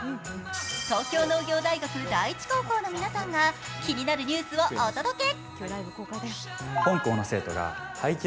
東京農業大学第一高校の皆さんが気になるニュースをお届け。